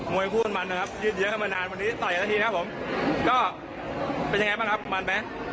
มวยคู่มันนะครับยืดเยอะมานานวันนี้ไศอ่ะทีนะครับผม